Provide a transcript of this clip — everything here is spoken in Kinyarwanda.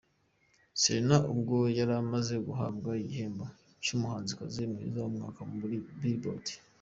Serena ubwo yaramaze guhabwa igihembo cy’umuhanzikazi mwiza w’umwaka muri BillBoard .